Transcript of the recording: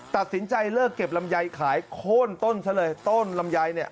ตัดสินใจเลิกเก็บลำไยขายโค้นต้นซะเลยต้นลำไยเนี่ย